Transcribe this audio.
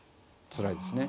つらいですね。